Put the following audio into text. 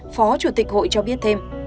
phó chủ tịch hội cho biết thêm